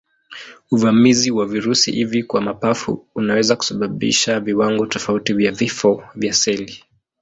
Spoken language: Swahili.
Uvamizi wa virusi hivi kwa mapafu unaweza kusababisha viwango tofauti vya vifo vya seli.